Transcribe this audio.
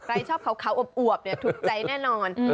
ใครชอบขาวอวบถูกใจแน่นอน